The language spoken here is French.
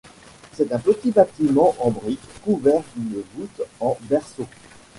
C'est un petit bâtiment en brique couvert d'une voûte en berceau.